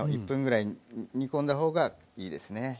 １分ぐらい煮込んだ方がいいですね。